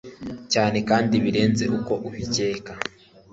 cyane kandi birenze uko ubikeka